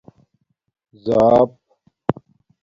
زاپ